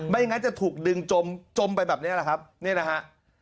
ไม่อย่างไรจะถูกดึงจมจมไปแบบนี้แหละครับนี่นะฮะ